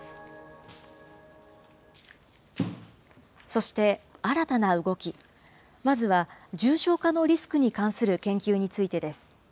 そして新たな動き、まずは重症化のリスクに関する研究についてです。